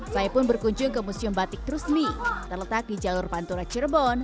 saya pun berkunjung ke museum batik trusmi terletak di jalur pantura cirebon